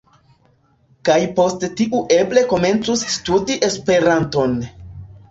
Kaj post tiu eble komencus studi Esperanton